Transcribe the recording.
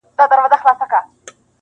اوس مي ګوره دبدبې ته او دربار ته ,